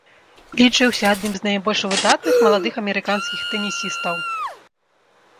Лічыўся адным з найбольш выдатных маладых амерыканскіх тэнісістаў.